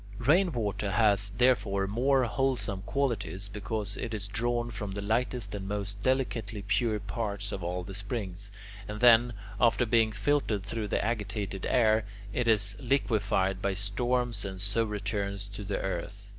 Rainwater has, therefore, more wholesome qualities, because it is drawn from the lightest and most delicately pure parts of all the springs, and then, after being filtered through the agitated air, it is liquefied by storms and so returns to the earth.